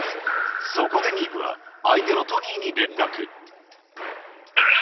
そこでニーヴは、相手のトニえっ？